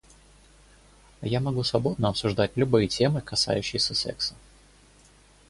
Я могу свободно обсуждать любые темы, касающиеся секса.